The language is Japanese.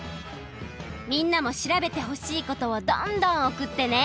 みんなも調べてほしいことをどんどんおくってね！